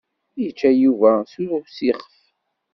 Yečča Yuba s usixef.